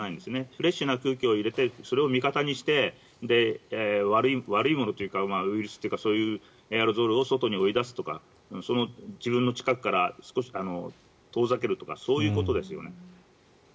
フレッシュな空気を入れてそれを味方にして悪いものというかウイルスというかそういうエアロゾルを外に追い出すとか自分の近くから少し遠ざけるとかそういうことですよね。